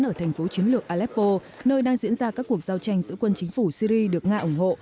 ở thành phố chiến lược aleppo nơi đang diễn ra các cuộc giao tranh giữa quân chính phủ syri được nga ủng hộ